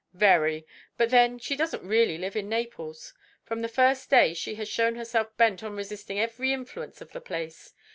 "Very. But then she doesn't really live in Naples. From the first day she has shown herself bent on resisting every influence of the place.